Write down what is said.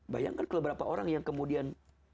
bayangkan kelebaran orang yang kemudian